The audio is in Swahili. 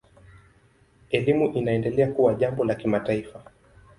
Elimu inaendelea kuwa jambo la kimataifa.